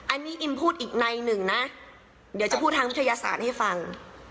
อันนี้อิมพูดอีกในหนึ่งนะเดี๋ยวจะพูดทางวิทยาศาสตร์ให้ฟัง